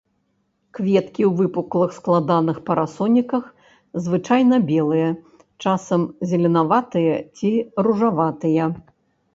Кветкі ў выпуклых складаных парасоніках, звычайна белыя, часам зеленаватыя ці ружаватыя.